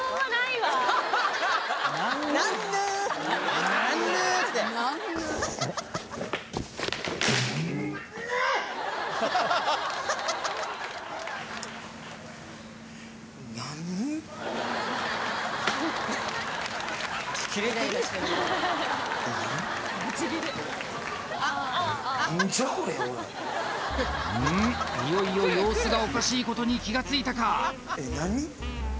いよいよ様子がおかしいことに気がついたかえ何？